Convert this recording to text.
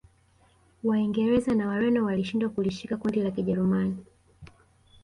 Waingereza na Wareno walishindwa kulishika kundi la Kijerumani